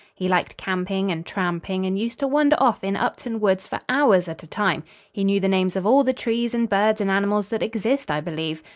He liked camping and tramping, and used to wander off in Upton Woods for hours at a time. He knew the names of all the trees and birds and animals that exist, I believe.